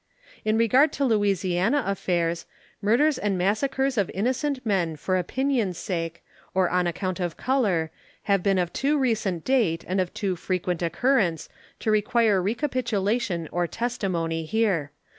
In regard to Louisiana affairs, murders and massacres of innocent men for opinion's sake or on account of color have been of too recent date and of too frequent occurrence to require recapitulation or testimony here.